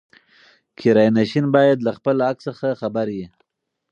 کرایه نشین باید له خپل حق څخه خبر وي.